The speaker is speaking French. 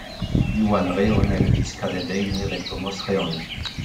Iwan Rheon est le fils cadet d'Einir et Tomos Rheon.